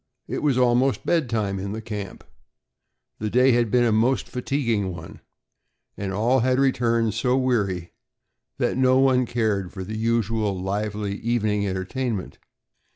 It was almost bed time in the camp. The day had been a most fatiguing one, and all had returned so weary that no one cared for the usual lively evening entertainment.